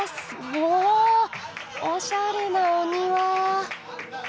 うわおしゃれなお庭。